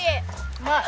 うまい！